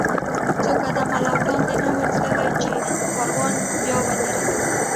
څو قدمه لا وړاندې نه و تللي، چې کاروان بیا ودرېد.